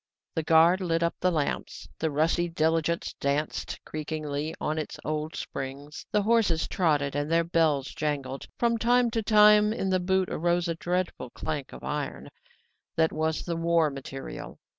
The guard lit up the lamps. The rusty diligence danced creakingly on its old springs; the horses trotted and their bells jangled. From time to time in the boot arose a dreadful clank of iron: that was the war material.